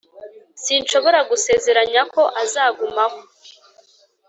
sinshobora gusezeranya ko azagumaho,